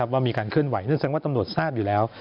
ว่ามีการเคลื่อนไหวนั่นแสดงว่าตำรวจทราบอยู่แล้ว